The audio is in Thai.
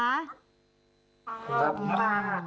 ขอบคุณค่ะ